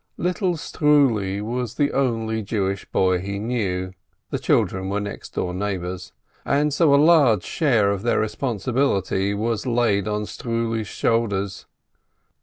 Little Struli was the only Jewish boy he knew (the children were next door neighbors), and so a large share of their responsibility was laid on Struli's shoulders.